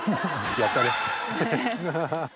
やったね。